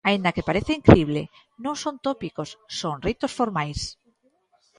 Aínda que pareza incrible, non son tópicos, son ritos formais.